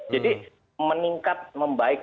jadi meningkat membaik